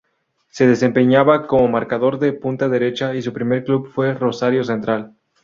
Se desempeñaba como marcador de punta derecha y su primer club fue Rosario Central.